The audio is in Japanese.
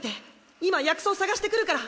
今薬草探してくるから。